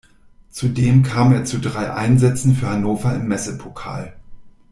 Zudem kam er zu drei Einsätzen für Hannover im Messepokal.